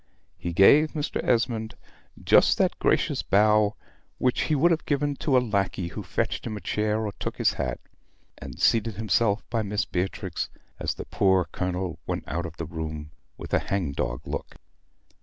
He gave Mr. Esmond just that gracious bow which he would have given to a lackey who fetched him a chair or took his hat, and seated himself by Miss Beatrix, as the poor Colonel went out of the room with a hang dog look.